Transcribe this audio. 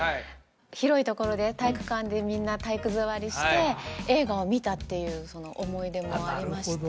広いところで体育館でみんな体育座りして映画を見たっていう思い出もありまして